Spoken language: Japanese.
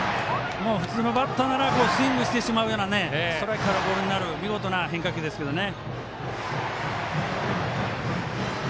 普通のバッターならスイングしてしまうようなストライクからボールになる見事な変化球ですけどね。